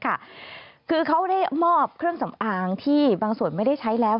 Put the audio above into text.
คือเขาได้มอบเครื่องสำอางที่บางส่วนไม่ได้ใช้แล้ว